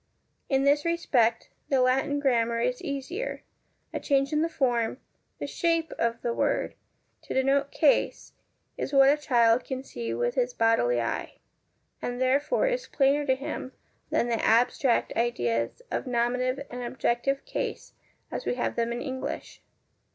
In this respect the Latin grammar is easier ; a change in the form, the shape of the word, to denote case, is what a child can see with his bodily eye, and therefore is plainer to him than the abstract ideas of nominative and objective case as we have them in English.